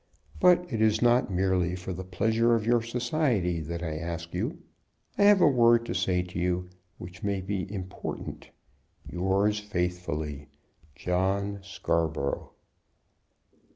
"But it is not merely for the pleasure of your society that I ask you. I have a word to say to you which may be important. Yours faithfully, "JOHN SCARBOROUGH."